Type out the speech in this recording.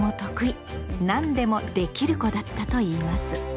何でも「できる子」だったといいます。